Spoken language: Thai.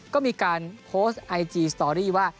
ก็มีการโพสต์ไอจีสตอรี่ว่า